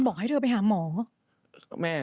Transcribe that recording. บ้านพังแล้ว